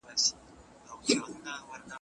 آیا هلوا په رښتیا لا تر اوسه پورې ګرمه وه؟